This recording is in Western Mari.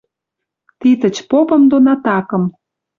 Титыч попым дон атакым